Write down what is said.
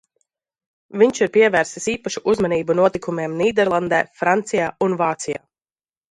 Viņš ir pievērsis īpašu uzmanību notikumiem Nīderlandē, Francijā un Vācijā.